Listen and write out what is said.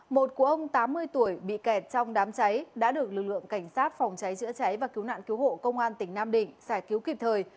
một của ông tám mươi tuổi bị kẹt trong đám cháy đã được lực lượng cảnh sát phòng cháy chữa cháy và cứu nạn cứu hộ công an tỉnh nam định giải cứu kịp thời